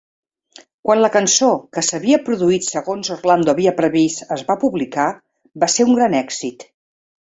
Quan la cançó, que s'havia produït segons Orlando havia previst, es va publicar, va ser un gran èxit.